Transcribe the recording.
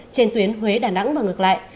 trên tuyến huế đà nẵng và ngược lại